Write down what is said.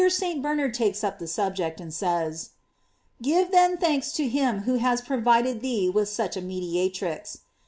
237 St. Bernard takes up the subject, and says: Give then thanks to him who has provided thee with guch a mediatrix.